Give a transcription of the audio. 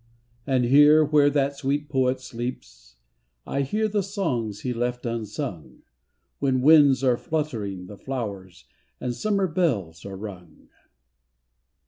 And here where that sweet poet sleeps I hear the songs he left unsung, When winds are fluttering the flowers And summer bells are rung.